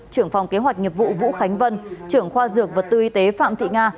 trưởng phòng kế hoạch nghiệp vụ vũ khánh vân trưởng khoa dược vật tư y tế phạm thị nga